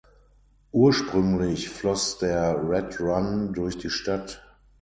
Ursprünglich floss der Red Run durch die Stadt.